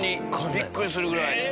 びっくりするぐらい。